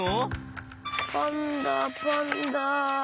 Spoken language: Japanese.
パンダパンダ。